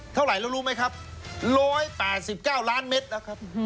เท่าไหร่แล้วรู้ไหมครับ๑๘๙ล้านเมตรแล้วครับ